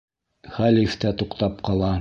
Хәлиф тә туҡтап ҡала.